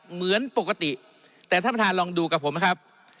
เหมือนปกติแต่ท่านประธานลองดูกับผมนะครับ